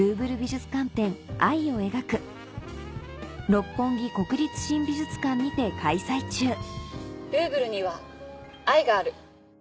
六本木国立新美術館にて開催中ルーヴルには愛がある。